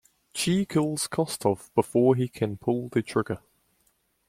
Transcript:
Chi kills Kostov before he can pull the trigger.